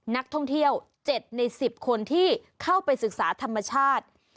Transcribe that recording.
นักท่องเที่ยว๗ใน๑๐คนที่เข้าไปศึกษาธรรมชาติ